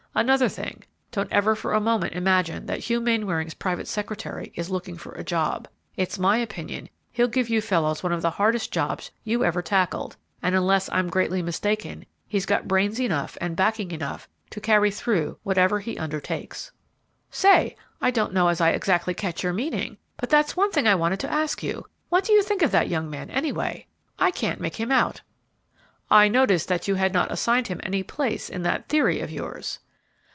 Another thing, don't ever for a moment imagine that Hugh Mainwaring's private secretary is looking for a job. It's my opinion he'll give you fellows one of the hardest jobs you ever tackled; and, unless I'm greatly mistaken, he's got brains enough and backing enough to carry through whatever he undertakes." "Say! I don't know as I exactly catch your meaning; but that's one thing I wanted to ask you. What do you think of that young man, anyway? I can't make him out." "I noticed that you had not assigned him any place in that theory of yours."